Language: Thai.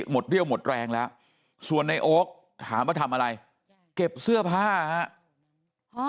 เรี่ยวหมดแรงแล้วส่วนในโอ๊คถามว่าทำอะไรเก็บเสื้อผ้าฮะ